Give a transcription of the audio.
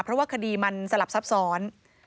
เพราะว่าคดีมันสลับซับซ้อน